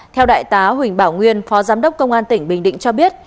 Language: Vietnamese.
theo đại tá huỳnh bảo nguyên phó giám đốc công an tỉnh bình định cho biết